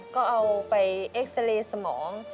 ก็เอาไปเอ็กซาเรย์สมอง